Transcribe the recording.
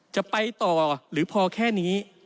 จะไปต่อหรือพอแค่นี้